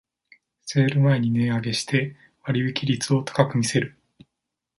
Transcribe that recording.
セール前に値上げして割引率を高く見せる